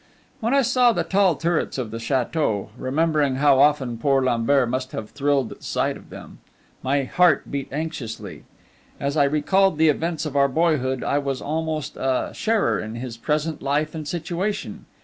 When I saw the tall turrets of the chateau, remembering how often poor Lambert must have thrilled at the sight of them, my heart beat anxiously. As I recalled the events of our boyhood, I was almost a sharer in his present life and situation.